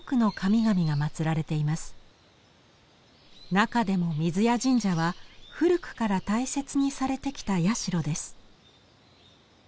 中でも水谷神社は古くから大切にされてきた社です。